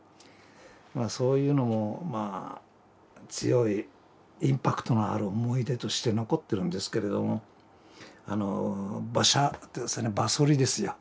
そういうのも強いインパクトのある思い出として残ってるんですけれども馬車って馬そりですよ。